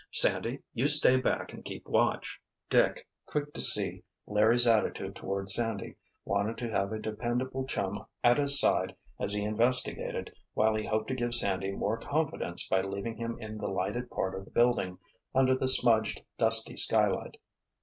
Sandy, you stay back and keep watch." Dick, quick to see Larry's attitude toward Sandy, wanted to have a dependable chum at his side as he investigated while he hoped to give Sandy more confidence by leaving him in the lighted part of the building, under the smudged, dusty skylight.